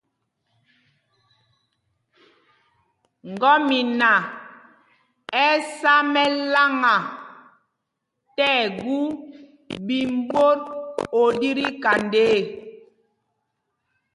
Ŋgɔ́mina ɛ́ ɛ́ sá mɛláŋa tí ɛgu ɓīm ɓot o ɗi tí kanda ê.